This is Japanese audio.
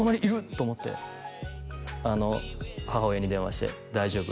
と思って母親に電話して大丈夫